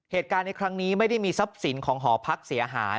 เหตุการณ์ในครั้งนี้ไม่ได้มีทรัพย์สินของหอพักเสียหาย